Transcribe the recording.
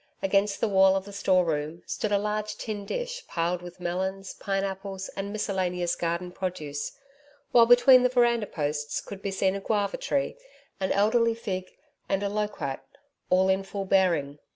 Against the wall of the store room, stood a large tin dish piled with melons, pine apples and miscellaneous garden produce, while, between the veranda posts, could be seen a guava tree, an elderly fig and a loquat all in full bearing.